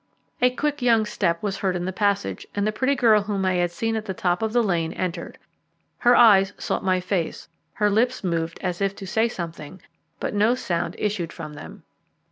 A quick young step was heard in the passage, and the pretty girl whom I had seen at the top of the lane entered. Her eyes sought my face, her lips moved as if to say something, but no sound issued from them.